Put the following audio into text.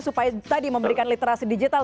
supaya tadi memberikan literasi digital